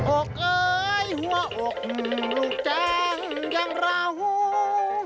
โอ๊คเอ๊ยหัวโอ๊คลูกแจ้งยังร้าหู